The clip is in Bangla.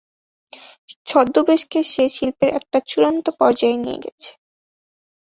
ছদ্মবেশকে সে শিল্পের একটা চূড়ান্ত পর্যায়ে নিয়ে গেছে।